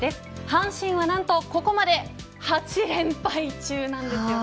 阪神は何とここまで８連敗中なんです。